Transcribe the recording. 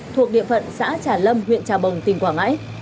thuộc địa phận xã trà lâm huyện trà bồng tỉnh quảng ngãi